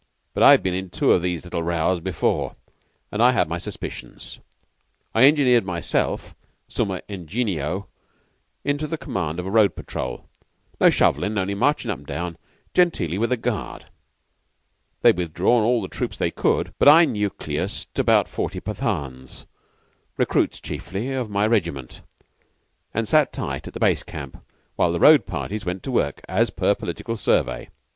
But I'd been in two of these little rows before, and I had my suspicions. I engineered myself, summa ingenio, into command of a road patrol no shovellin', only marching up and down genteelly with a guard. They'd withdrawn all the troops they could, but I nucleused about forty Pathans, recruits chiefly, of my regiment, and sat tight at the base camp while the road parties went to work, as per Political survey."